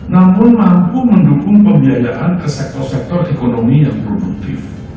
namun mampu mendukung pembiayaan ke sektor sektor ekonomi yang produktif